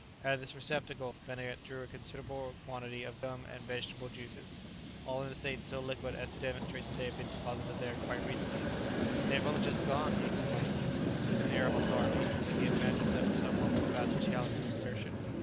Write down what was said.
Out of this receptacle Benedict drew a considerable quantity of gum and vegetable juices, all in a state so liquid as to demonstrate that they had been deposited there quite recently. "They have only just gone," he exclaimed, with an air of authority, as if he imagined that some one was about to challenge his assertion.